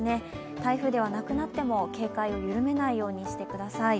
台風ではなくなっても警戒を緩めないようにしてください。